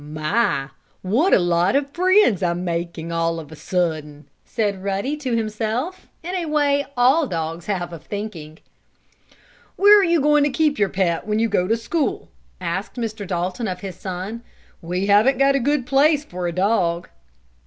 "My! What a lot of friends I'm making all of a sudden!" said Ruddy to himself, in a way all dogs have of thinking. "Where you going to keep your pet when you go to school?" asked Mr. Dalton of his son. "We haven't a good place for a dog."